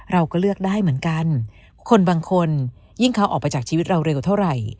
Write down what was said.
เราก็เลือกได้เหมือนกันคนบางคนยิ่งเขาออกไปจากชีวิตเราเร็วเท่าไหร่